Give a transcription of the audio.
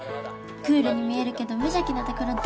クールに見えるけど無邪気なところ大好き